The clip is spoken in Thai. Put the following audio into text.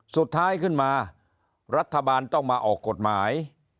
สุดท้ายขึ้นมารัฐบาลต้องมาออกกฎหมาย